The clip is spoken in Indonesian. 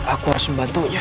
aku harus membantunya